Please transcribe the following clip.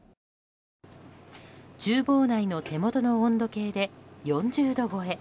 厨房内の手元の温度計で４０度超え。